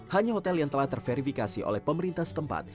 hanya hotel yang telah terverifikasi oleh pemerintah setempat